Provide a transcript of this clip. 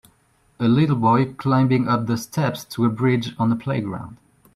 A little boy climbing up the steps to a bridge on a playground